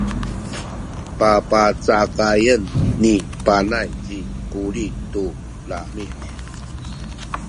papacakayen ni Panay ci Kuli tu lami’.